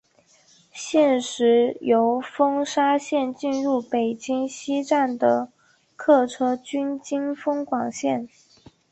现时由丰沙线进入北京西站的客车均经丰广线。